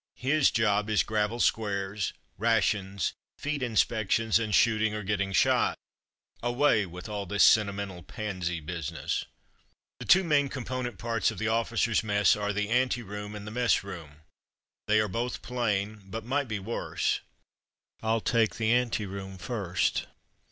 His job is gravel squares, rations, feet inspections, and shooting or getting shot. Away with all this senti mental pansy business. The two main component parts of the officers' mess are: the ante room and the mess room. They are both plain, but might be worse. FU take the ante room first.